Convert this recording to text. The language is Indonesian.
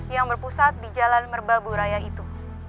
yang berpusat di jalan merbaburaya itu